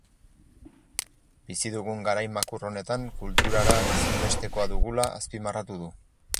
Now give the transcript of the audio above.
Bizi dugun garai makur honetan kulturara ezinbestekoa dugula azpimarratu du.